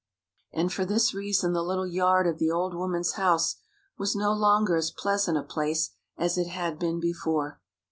And for this reason the little yard of the old woman's house was no longer as pleasant a place as it had been before.